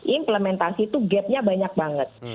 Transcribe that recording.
implementasi itu gap nya banyak banget